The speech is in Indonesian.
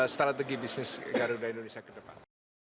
strategi bisnis garuda indonesia ke depan